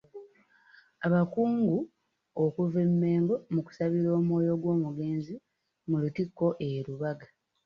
Abakungu okuva e Mengo mu kusabira omwoyo gw'omugenzi mu Lutikko e Lubaga.